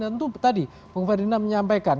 tentu tadi bung ferdinand menyampaikan